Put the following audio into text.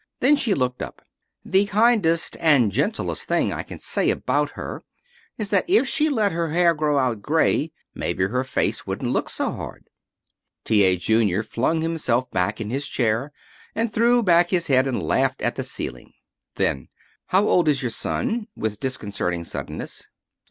Then she looked up. "The kindest and gentlest thing I can say about her is that if she'd let her hair grow out gray maybe her face wouldn't look so hard." T. A. Junior flung himself back in his chair and threw back his head and laughed at the ceiling. Then, "How old is your son?" with disconcerting suddenness.